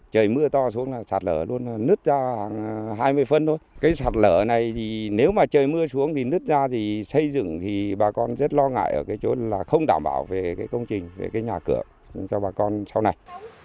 khoảng hai mươi phân thôi cái sạt lở này thì nếu mà trời mưa xuống thì nứt ra thì xây dựng thì bà con rất lo ngại ở cái chỗ là không đảm bảo về cái công trình về cái nhà cửa cho bà con sau này